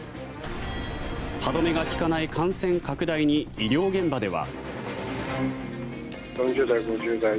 歯止めが利かない感染拡大に医療現場では。